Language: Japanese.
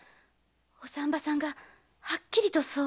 お産婆さんがはっきりとそう。